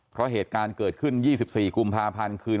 เพราะเหตุการณ์เกิดขึ้น๒๔กุมภาพันธ์คืน